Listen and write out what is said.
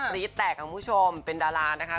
รี๊ดแตกคุณผู้ชมเป็นดารานะคะ